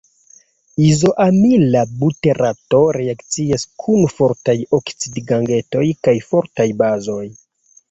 Izoamila buterato reakcias kun fortaj oksidigagentoj kaj fortaj bazoj.